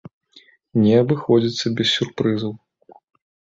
Не абыходзіцца без сюрпрызаў.